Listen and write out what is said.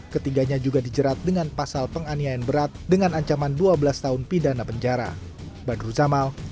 ketiganya juga dijerat dengan pasal penganiayaan berat dengan ancaman dua belas tahun pidana penjara